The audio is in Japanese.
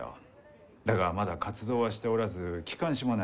だがまだ活動はしておらず機関誌もない。